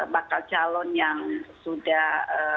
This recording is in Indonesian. bakal calon yang sudah